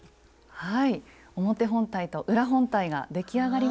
はい。